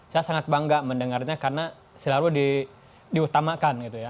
saya sangat bangga mendengarnya karena selalu diutamakan gitu ya